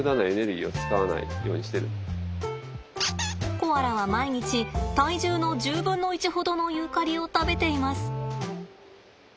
コアラは毎日体重の１０分の１ほどのユーカリを食べています。